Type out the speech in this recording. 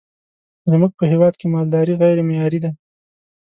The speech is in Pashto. زمونږ په هیواد کی مالداری غیری معیاری ده